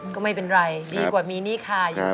ก็ไม่เป็นไรดีกว่ามีนี่ค่ะ